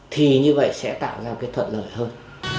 thì như vậy sẽ tạo ra cái thuận lợi hơn